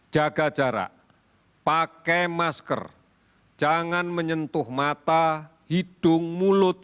jaga jarak pakai masker jangan menyentuh mata hidung mulut